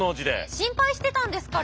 心配してたんですから。